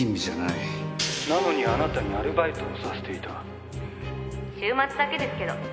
「なのにあなたにアルバイトをさせていた」「週末だけですけど」